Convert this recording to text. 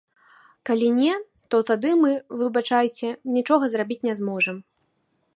Калі не, то тады мы, выбачайце, нічога зрабіць не зможам.